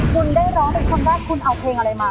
คุณได้ร้องเป็นคนแรกคุณเอาเพลงอะไรมา